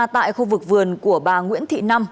tại khu vực vườn của bà nguyễn thị năm